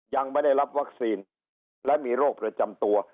ยังไม่ได้รับวัคซีนและมีโรคประจำตัว